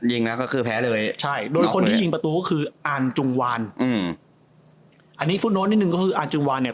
ยิงนะก็คือแพ้เลยใช่โดยคนที่ยิงประตูก็คืออันจุงวานอืมอันนี้ฟุตโน้ตนิดนึงก็คืออาจุงวานเนี่ย